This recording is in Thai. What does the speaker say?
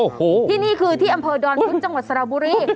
โอ้โหที่นี่คือที่อำเภอดอนพุธจังหวัดสระบุรี